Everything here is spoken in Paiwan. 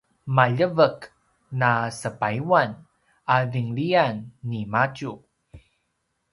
“maljeveq na sepayuan” a vinlian nimadju